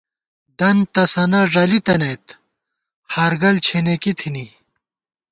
دنت تَسَنہ ݫَلی تَنَئیت، ہارگل چھېنېکی تھنی